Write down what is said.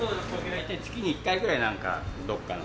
大体月に一回ぐらいなんかどっかの。